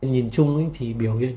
nhìn chung thì biểu hiện